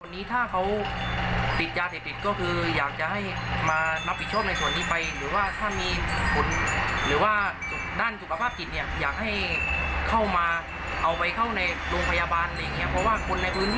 มีการขับรถอะไรอย่างนี้ครับ